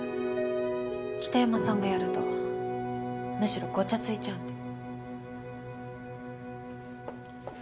北山さんがやるとむしろごちゃついちゃうんで。